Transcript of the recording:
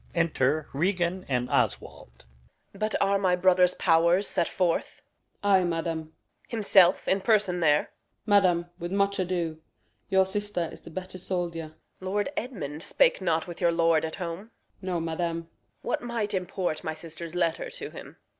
Enter Regan and [Oswald the] Steward. Reg. But are my brother's pow'rs set forth? Osw. Ay, madam. Reg. Himself in person there? Osw. Madam, with much ado. Your sister is the better soldier. Reg. Lord Edmund spake not with your lord at home? Osw. No, madam. Reg. What might import my sister's letter to him?